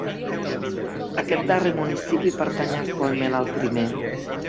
Aquest darrer municipi pertany actualment al primer.